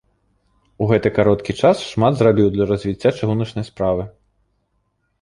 У гэты кароткі час шмат зрабіў для развіцця чыгуначнай справы.